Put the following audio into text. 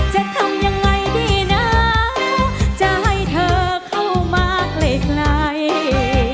จะทำยังไงดีนะจะให้เธอเข้ามาใกล้